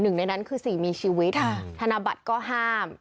หนึ่งในนั้นคือ๔มีชีวิตธนบัตรก็ห้าม